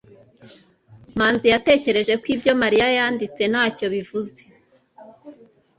manzi yatekereje ko ibyo mariya yanditse ntacyo bivuze